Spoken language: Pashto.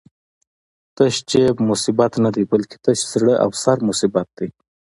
تش جېب مصیبت نه دی، بلکی تش زړه او سر مصیبت دی